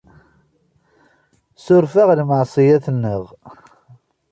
Suref-aɣ lmeɛṣiyat-nneɣ.